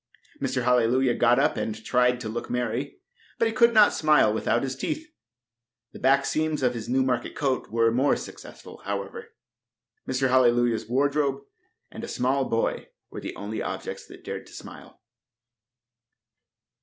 Mr. Hallelujah got up and tried to look merry, but he could not smile without his teeth. The back seams of his Newmarket coat were more successful, however. Mr. Hallelujah's wardrobe and a small boy were the only objects that dared to smile.